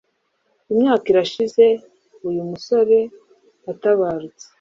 imyaka irashize uyu umusore atabarutse.